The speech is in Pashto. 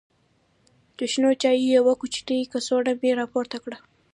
د شنو چایو یوه کوچنۍ کڅوړه مې راپورته کړه.